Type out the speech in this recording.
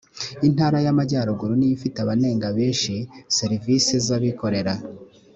intara y amajyaruguru niyo ifite abanenga benshi serivisi z abikorera